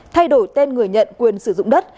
thay đổi tên người nhận quyền sử dụng đất